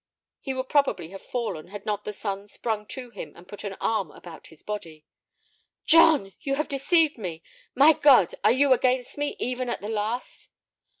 He would probably have fallen had not the son sprung to him and put an arm about his body. "John, you have deceived me! My God, are you against me, even at the last!"